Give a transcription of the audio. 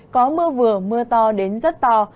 có mưa vừa mưa to đến rất to